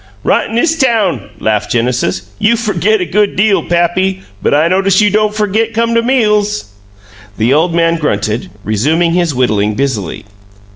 "Right 'n 'is town," laughed Genesis. "You fergit a good deal, pappy, but I notice you don' fergit come to meals!" The old man grunted, resuming his whittling busily.